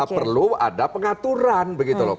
perlu ada pengaturan begitu loh